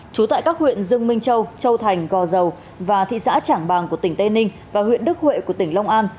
trú tại các huyện dương minh châu châu thành gò dầu và thị xã trảng bàng của tỉnh tây ninh và huyện đức huệ của tỉnh long an